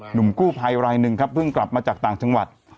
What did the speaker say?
หนุ่มกู้ภัยรายหนึ่งครับเพิ่งกลับมาจากต่างจังหวัด